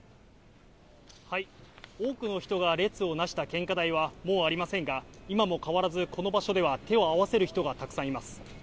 多くの人が列を成した献花台はもうありませんが、今も変わらずこの場所では、手を合わせる人がたくさんいます。